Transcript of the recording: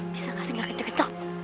bisa gak singkat kecil kecil